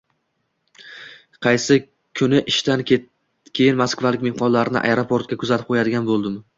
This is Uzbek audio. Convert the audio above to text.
Qaysi kuni ishdan keyin moskvalik mehmonlarni ayeroportga kuzatib qo‘yadigan bo‘ldim.